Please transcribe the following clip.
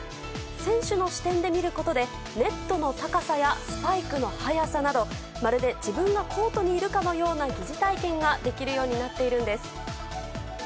選手の視点で見ることでネットの高さやスパイクの速さなどまるで自分がコートにいるかのような疑似体験ができるようになっているんです。